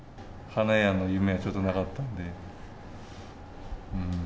花屋の夢はちょっとなかったんで。